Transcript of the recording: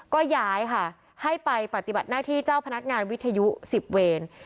ก็ย้ายค่ะให้ไปปฏิบัติหน้าที่เจ้าพนักงานวิทยุ๑๐เวร